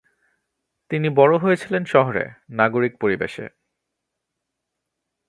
তিনি বড় হয়েছিলেন শহরে, নাগরিক পরেবেশে।